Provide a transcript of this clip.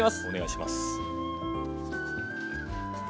お願いします。